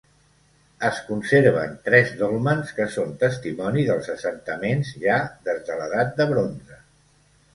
Es conserven tres dòlmens que són testimoni dels assentaments ja des de l'Edat de Bronze.